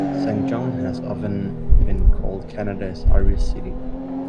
Saint John has often been called "Canada's Irish City".